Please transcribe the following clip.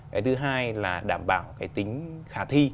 cái thứ hai là đảm bảo cái tính khả thi